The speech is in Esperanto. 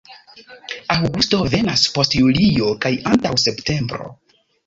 Aŭgusto venas post julio kaj antaŭ septembro.